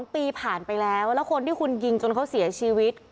๒ปีผ่านไปแล้วแล้วคนที่คุณยิงจนเขาเสียชีวิต